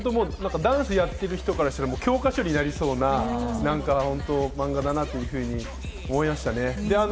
ダンスやっている人からしたら、教科書になりそうなマンガだなというふうに思いましたね。